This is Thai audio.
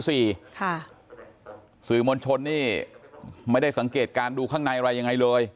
เศรษฐมชนไม่ได้สังเกตการณ์ดูข้างในอะไรยังไงเลย